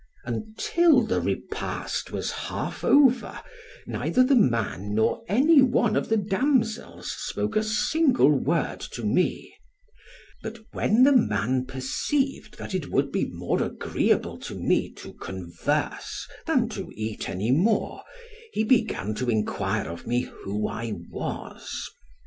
"Until the repast was half over, neither the man nor any one of the damsels spoke a single word to me; but when the man perceived that it would be more agreeable to me to converse than to eat any more, he began to enquire of me who I was.